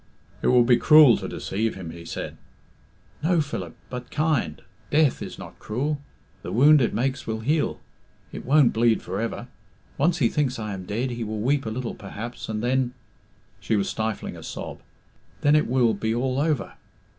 "It will be cruel to deceive him," he said. "No, Philip, but kind. Death is not cruel. The wound it makes will heal. It won't bleed for ever. Once he thinks I am dead he will weep a little perhaps, and then " she was stifling a sob "then it will be all over.